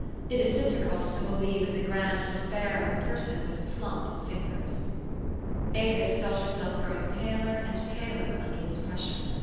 It is dif ficult to believe in the grand despair of a person with plump fingers. Avis felt herself growing paler and paler under this pressure.